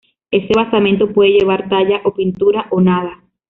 Ese basamento puede llevar talla o pintura o nada.